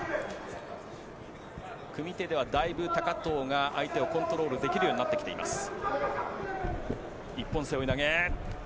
組み手では高藤が相手をコントロールできるようになってきています。